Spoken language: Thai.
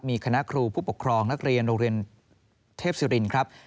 มีคณะครูผู้ปกครองนักเรียนโรงเรียนเทพศิรินครับ